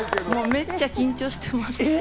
めっちゃ緊張してます。